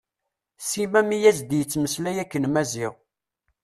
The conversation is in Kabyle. Sima mi as-d-yettmeslay akken Maziɣ.